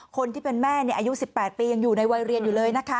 คนที่เป็นแม่อายุ๑๘ปียังอยู่ในวัยเรียนอยู่เลยนะคะ